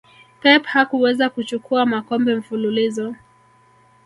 pep hakuweza kuchukua makombe mfululizo